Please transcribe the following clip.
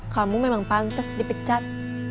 kamu memang pantes dipecat